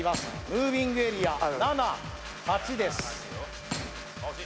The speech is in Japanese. ムービングエリア７８です